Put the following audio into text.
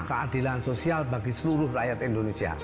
keadilan sosial bagi seluruh rakyat indonesia